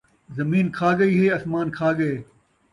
زمین کھا ڳئی ہے ، اسمان کھا ڳئے